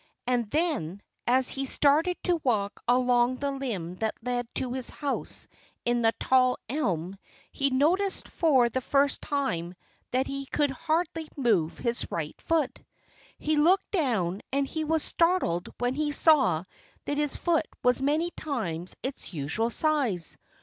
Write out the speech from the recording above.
And then, as he started to walk along the limb that lead to his house in the tall elm, he noticed for the first time that he could hardly move his right foot. He looked down and he was startled when he saw that his foot was many times its usual size.